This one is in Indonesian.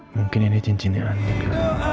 mungkin ini cincinnya anjing